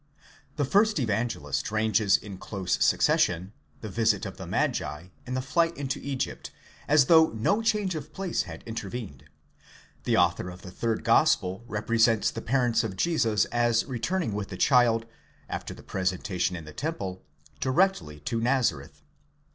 The first Evangelist ranges in close succession the visit of the magi and the flight into Egypt, as though no change of place had intervened; the author of the third Gospel represents the parents of Jesus as returning with the child, after the presenta tion in the temple, directly to Nazareth.